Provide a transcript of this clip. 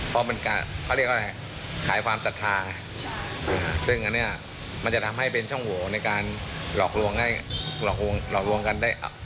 เพราะเป็นการขายความศรัทธาซึ่งอันนี้มันจะทำให้เป็นช่องหัวในการหลอกลวงได้